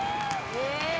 え！